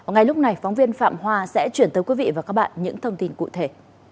ngay lúc này phóng viên phạm hòa sẽ chuyển tới quý vị và các bạn những thông tin cụ thể